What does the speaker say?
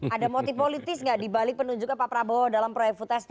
ada motif politis nggak di balik penunjuknya pak prabowo dalam proyek food estate